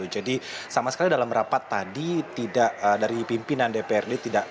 jadi sama sekali dalam rapat tadi dari pimpinan dprd